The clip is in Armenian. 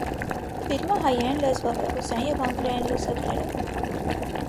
Ֆիլմը հայերեն լեզվով է՝ ռուսերեն և անգլերեն լուսագրերով։